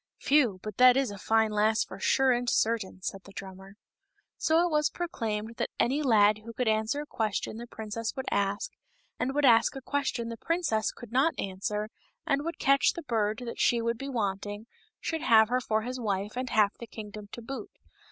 (" Phew ! but that is a fine lass for sure and certain," said the drummer.) So it was proclaimed that any lad who could answer a question the princess would ask, and would ask a question the princess could not answer, and would catch the bird that she would be wanting, should have her for his wife and half of the kingdom to boot.